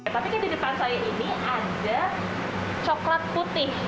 tapi kan di depan saya ini ada coklat putih